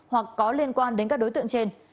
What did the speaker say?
hoặc có liên quan đến các đối tượng trên